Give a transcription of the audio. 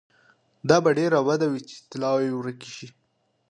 دا به ډېره بده وي چې طلاوي ورکړه شي.